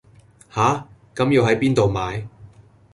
吓,咁要係邊到買